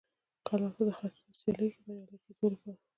کلا ته د ختلو سیالۍ کې بریالي کېدو لپاره.